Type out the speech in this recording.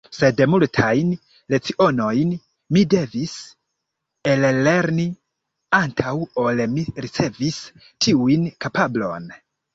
Sed multajn lecionojn mi devis ellerni, antaŭ ol mi ricevis tiun kapablon.